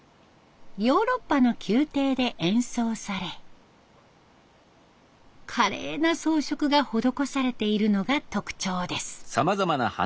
ヨーロッパの宮廷で演奏され華麗な装飾が施されているのが特徴です。